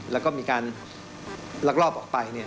แล้วก็มีการลักลอบออกไป